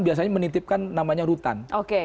biasanya menitipkan namanya rutan